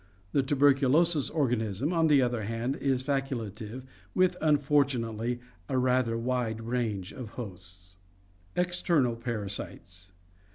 The tuberculosis organism, on the other hand, is facultative, with, unfortunately, a rather wide range of hosts. External Parasites.